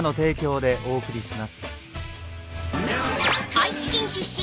［愛知県出身